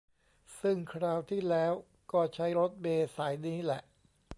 ซึ่งคราวที่แล้วก็ใช้รถเมล์สายนี้แหละ